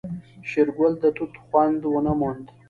شېرګل د توت خوند ونه موند.